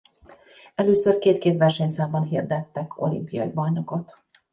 Először két-két versenyszámban hirdettek olimpiai bajnokot.